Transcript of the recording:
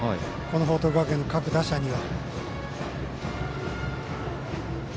報徳学園の各打者には。